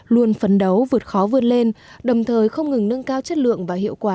luôn phấn đấu vượt khó vươn lên đồng thời không ngừng nâng cao chất lượng và hiệu quả